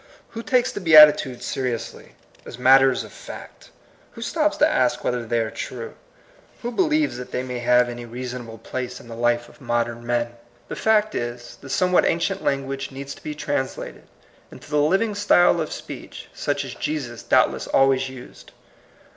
Who takes the Beatitudes seiiously, as matters of fact? Who stops to ask whether they are true? Who believes that they may 1 2 THE COMING PEOPLE, have any reasonable place in the life of modern men? The fact is, thd somewhat ancient lan guage needs to be translated into the living style of speech such as Jesus doubtless always used.